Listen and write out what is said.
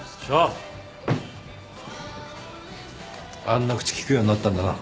あんな口利くようになったんだな。